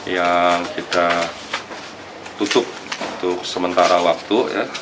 yang kita tutup untuk sementara waktu